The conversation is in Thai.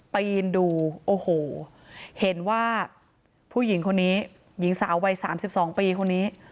ปีนดูโอ้โหเห็นว่าผู้หญิงคนนี้หญิงสาววัย๓๒ปีคนนี้